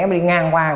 mới đi ngang qua